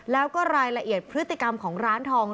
แล้วก็รายละเอียดพฤติกรรมของร้านทอง